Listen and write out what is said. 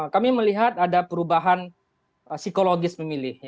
kami melihat ada perubahan psikologis pemilih